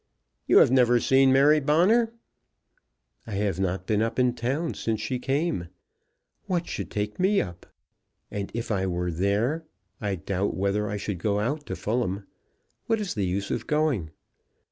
"You have never seen Mary Bonner?" "I have not been up in town since she came. What should take me up? And if I were there, I doubt whether I should go out to Fulham. What is the use of going?"